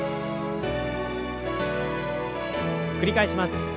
繰り返します。